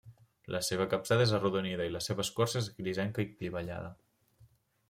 La seva capçada és arrodonida i la seva escorça és grisenca i clivellada.